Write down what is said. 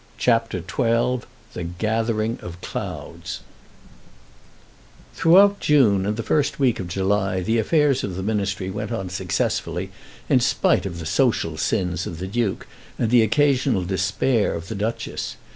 CHAPTER XII The Gathering of Clouds Throughout June and the first week of July the affairs of the Ministry went on successfully, in spite of the social sins of the Duke and the occasional despair of the Duchess.